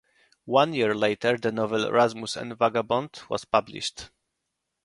One year later the novel "Rasmus and the Vagabond" was published.